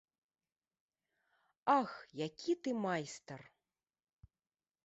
Ах, які ты майстар.